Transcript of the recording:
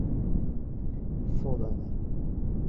呢種煮法保留左少少鹹味